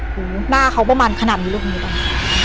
หนูหน้าเค้าประมาณขนาดนี้รูปนี้ตอนนี้